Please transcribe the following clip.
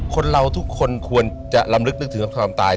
คนเราทุกคนควรจะลำลึกนึกถึงความตาย